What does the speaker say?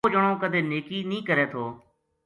وہ جنو کدے نیکی نی کرے تھو